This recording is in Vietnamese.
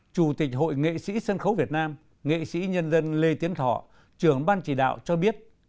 chủ tịch hội nghệ sĩ sân khấu việt nam nghệ sĩ nhân dân lê tiến thọ trưởng ban chỉ đạo cho biết